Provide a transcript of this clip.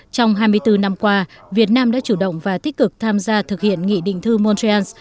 trong hai mươi bốn năm qua việt nam đã chủ động và tích cực tham gia thực hiện nghị định thư montreal